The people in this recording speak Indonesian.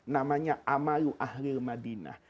namanya amaluh ahli madinah